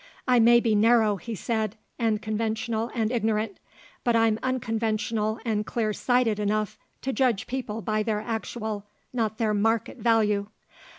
"I may be narrow," he said, "and conventional and ignorant; but I'm unconventional and clear sighted enough to judge people by their actual, not their market, value.